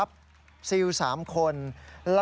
ขอบคุณค่ะ